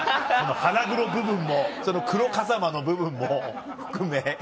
腹黒部分もその黒風間の部分も含め。